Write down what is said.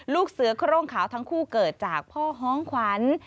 ลูกเสือโครงขาวทั้งคู่เกิดจากพ่อฮ้องขวัญ